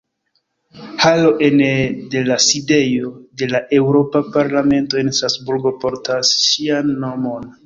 Halo ene de la Sidejo de la Eŭropa Parlamento en Strasburgo portas ŝian nomon.